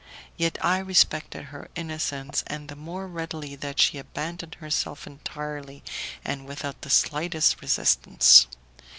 Yet I respected her innocence, and the more readily that she abandoned herself entirely and without the slightest resistance.